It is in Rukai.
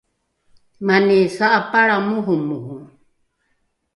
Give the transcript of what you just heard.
mani sa’apalra moromoro